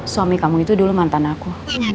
suami kamu itu dulu mantan aku